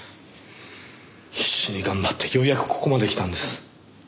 必死に頑張ってようやくここまできたんです。